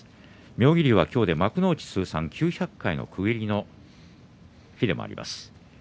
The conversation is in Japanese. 妙義龍は今日で幕内通算９００回の区切りの日でもあります。